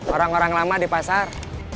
orang orang lama di pasar